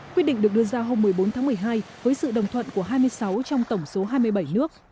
quyết định được đưa ra hôm một mươi bốn tháng một mươi hai với sự đồng thuận của hai mươi sáu trong tổng số hai mươi bảy nước